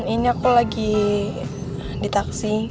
ini aku lagi di taksi